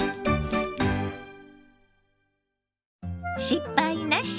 「失敗なし！